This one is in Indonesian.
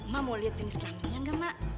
ma mau lihat jenis klaminya nggak mak